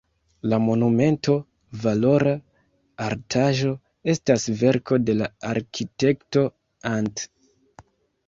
La monumento, valora artaĵo, estas verko de arkitekto Ant.